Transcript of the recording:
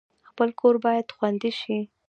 خپل کور باید خوندي شي